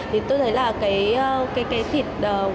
thì tôi thấy là cái thịt